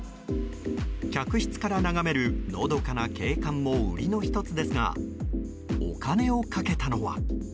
客室から眺めるのどかな景観も売りの１つですがお金をかけたのは。